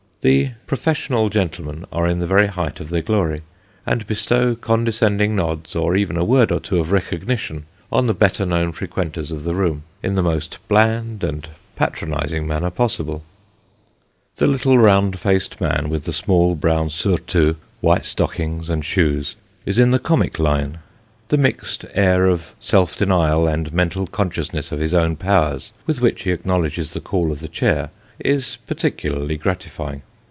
The " profes sional gentlemen " are in the very height of their glory, and bestow condescending nods, or even a word or two of recognition, on the better known frequenters of the room, in the most bland and patronising manner possible. That little round faced man, with the brown small surtout, white stockings and shoes, is in the comic line ; the mixed air of self denial, and mental consciousness of his own powers, with which he acknowledges the call of the chair, is particularly gratifying.